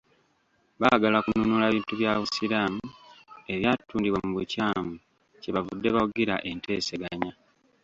Baagala kunnunula bintu bya Busiraamu ebyatundibwa mu bukyamu kye bavudde bawagira enteeseganya.